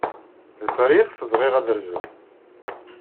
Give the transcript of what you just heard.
D Paris ayɣef bɣiɣ ad rzuɣ.